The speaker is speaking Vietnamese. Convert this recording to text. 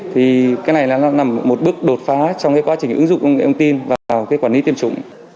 thì cái này là một bước đột phá trong quá trình ứng dụng công nghệ thông tin vào quản lý tiêm chủng